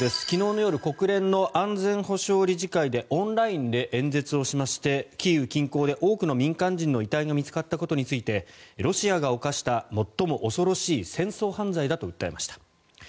昨日の夜国連の安全保障理事会でオンラインで演説をしまして、キーウ近郊で多くの民間人の遺体が見つかったことについてロシアが犯した最も恐ろしい戦争犯罪だと話しました。